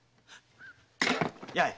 八重。